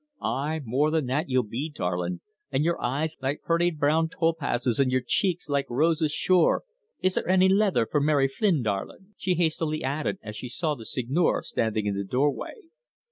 Aye, more than that y'll be, darlin', and y're eyes like purty brown topazzes and y're cheeks like roses shure, is there anny lether for Mary Flynn, darlin'?" she hastily added as she saw the Seigneur standing in the doorway.